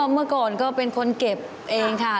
เมื่อก่อนก็เป็นคนเก็บเองค่ะ